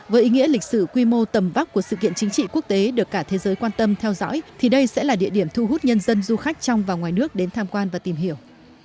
với ý nghĩa lịch sử quy mô tầm vóc của sự kiện chính trị quốc tế được cả thế giới quan tâm theo dõi thì đây sẽ là địa điểm thu hút nhân dân du khách trong và ngoài nước đến tham quan và tìm hiểu